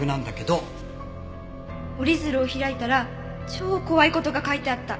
「折り鶴を開いたら超怖い事が書いてあった」